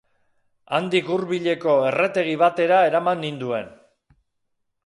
Handik hurbileko erretegi batera eraman nin-duen.